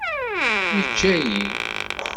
Yeǧǧa-iyi.